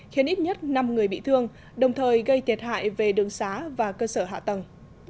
khiến ít nhất năm người bị thương đồng thời gây thiệt hại về đường xá và cơ sở hạ tầng